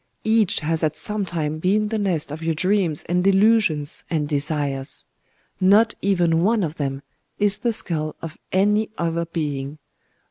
Each has at some time been the nest of your dreams and delusions and desires. Not even one of them is the skull of any other being.